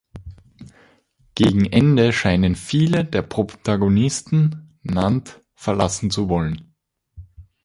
Gegen Ende scheinen viele der Protagonisten Nantes verlassen zu wollen.